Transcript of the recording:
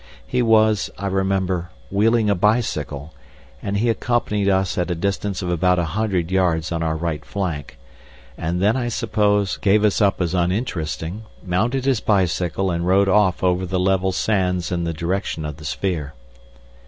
He was, I remember, wheeling a bicycle, and he accompanied us at a distance of about a hundred yards on our right flank, and then I suppose, gave us up as uninteresting, mounted his bicycle and rode off over the level sands in the direction of the sphere.